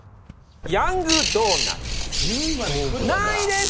ヤングドーナツ、何位ですか？